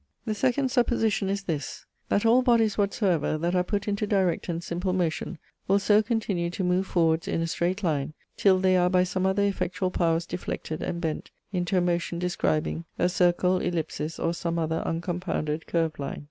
The second supposition is this, that all bodys whatsoever, that are putt into direct and simple motion will soe continue to move forwards in a straight line, till they are by some other effectuall powers deflected and bent into a motion describing a circle, ellipsis, or some other uncompounded curve line.